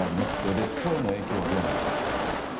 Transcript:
列島への影響はどうなんでしょう。